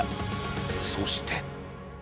そして。